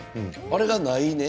あれがないね。